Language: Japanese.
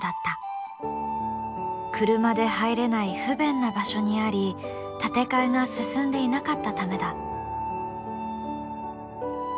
車で入れない不便な場所にあり建て替えが進んでいなかったためだ。